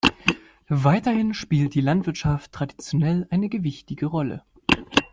Weiterhin spielt die Landwirtschaft traditionell eine gewichtige Rolle.